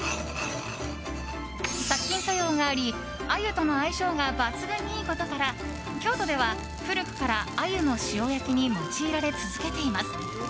殺菌作用があり、アユとの相性が抜群にいいことから京都では古くからアユの塩焼きに用いられ続けています。